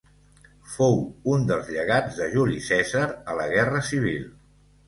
Fou un dels llegats de Juli Cèsar a la guerra civil.